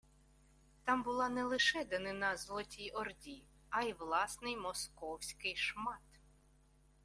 Там була не лише данина Золотій Орді, а й власний московський шмат